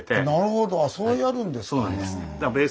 なるほどそうやるんですか。